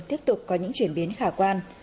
tiếp tục có những chuyển biến khả quan